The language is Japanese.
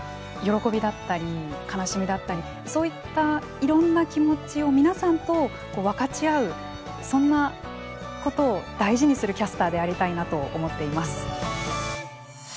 喜びだったり悲しみだったりそういったいろんな気持ちを皆さんと分かち合うそんなことを大事にするキャスターでありたいなと思っています。